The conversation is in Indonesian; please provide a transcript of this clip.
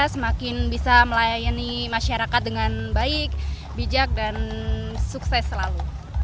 semakin bisa melayani masyarakat dengan baik bijak dan sukses selalu